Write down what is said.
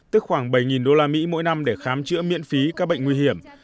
tức khoảng bảy đô la mỹ mỗi năm để khám chữa miễn phí các bệnh nguy hiểm